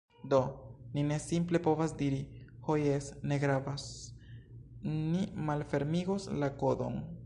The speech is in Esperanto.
Do, ni ne simple povas diri, "Ho jes, ne gravas... ni malfermigos la kodon"